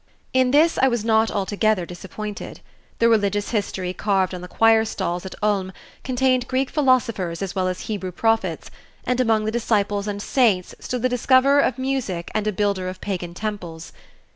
In this I was not altogether disappointed. The religious history carved on the choir stalls at Ulm contained Greek philosophers as well as Hebrew prophets, and among the disciples and saints stood the discoverer of music and a builder of pagan temples.